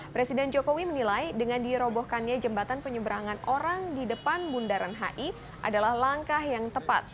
presiden jokowi menilai dengan dirobohkannya jembatan penyeberangan orang di depan bundaran hi adalah langkah yang tepat